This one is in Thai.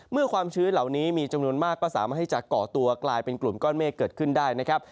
ความชื้นเหล่านี้มีจำนวนมากก็สามารถที่จะก่อตัวกลายเป็นกลุ่มก้อนเมฆเกิดขึ้นได้นะครับ